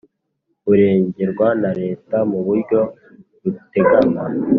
burengerwa na Leta mu buryo buteganywa